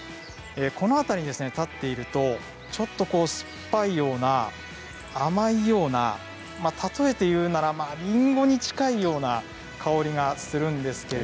この辺りに立っているとちょっと酸っぱいような甘いような例えて言うならりんごに近いような香りがするんです。